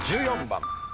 １４番。